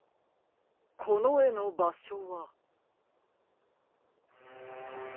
このえのばしょは。